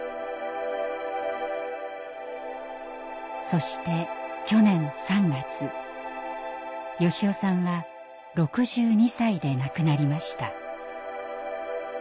そして去年３月良雄さんは６２歳で亡くなりました。